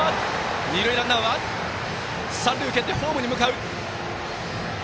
二塁ランナーは三塁を蹴ってホームに向かう！